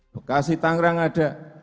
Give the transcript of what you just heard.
bekasi tangerang ada